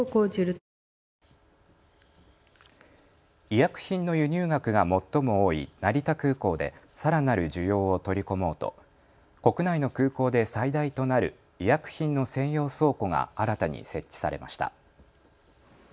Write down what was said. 医薬品の輸入額が最も多い成田空港でさらなる需要を取り込もうと国内の空港で最大となる医薬品の専用倉庫が新たに設置されました。